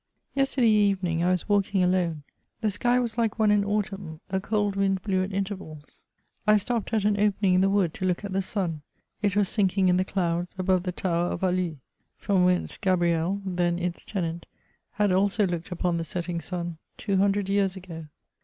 Yesterday evening I was walking alone : the sky was like one in autumn : a cold wind blew at intervals. I stopped at an opening in the wood, to look at the sun ; it was sinking in the clouds, above the tower of AUuye ; from whence Gabrielle, then its tenant, had also looked upon the setting sun, two hundred years ago.